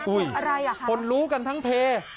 อุ้ยคนรู้กันทั้งเพ